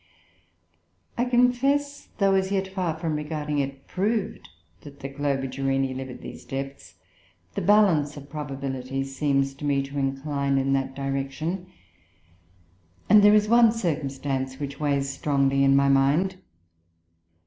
"I confess, though as yet far from regarding it proved that the Globigerinoe live at these depths, the balance of probabilities seems to me to incline in that direction. And there is one circumstance which weighs strongly in my mind.